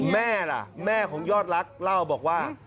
แม่ล่ะแม่ของยอดรักเล่าบอกว่า